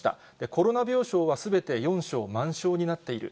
コロナ病床はすべて４床、満床になっている。